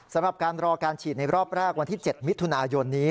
สำหรับการรอการฉีดในรอบแรกวันที่๗มิถุนายนนี้